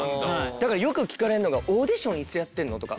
だからよく聞かれるのが「オーディションいつやってるの？」とか。